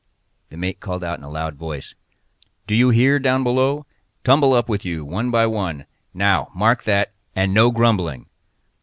The mate called out in a loud voice: "Do you hear there below? tumble up with you, one by one—now, mark that—and no grumbling!"